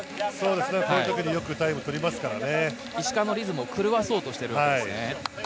こういう時によくタイムを取石川のリズムを狂わせようとしているんですね。